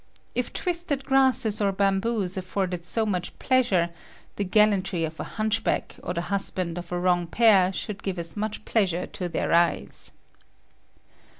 If twisted grasses or bamboos afforded so much pleasure, the gallantry of a hunchback or the husband of a wrong pair should give as much pleasure to their eyes.